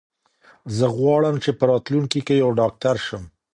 زه غواړم چې په راتلونکي کې یو ډاکټر شم.